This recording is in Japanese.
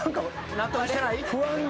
納得してない？